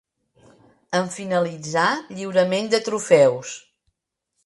En finalitzar, lliurament de trofeus.